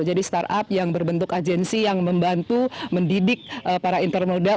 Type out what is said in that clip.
jadi startup yang berbentuk agensi yang membantu mendidik para intermodal